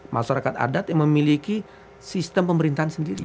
masyarakat adat yang memiliki sistem pemerintahan sendiri